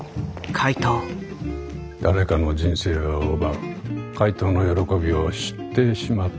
誰かの人生を奪う怪盗の喜びを知ってしまった者。